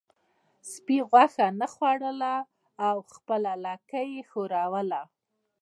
سپي غوښه نه خوړله او خپله لکۍ یې ښوروله.